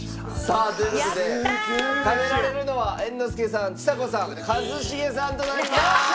さあという事で食べられるのは猿之助さんちさ子さん一茂さんとなります！